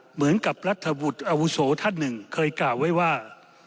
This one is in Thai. เหมือนกับรัฐบุตรอาวุโสท่านหนึ่งเคยกล่าวไว้ว่า